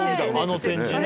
あの展示ね。